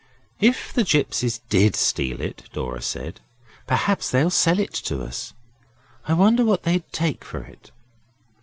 'If the gipsies DID steal it,' Dora said 'perhaps they'd sell it to us. I wonder what they'd take for it.